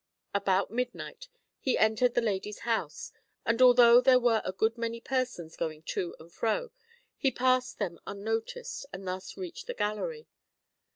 About midnight he entered the lady's house, and although there were a good many persons going to and fro, he passed them unnoticed and thus reached the gallery.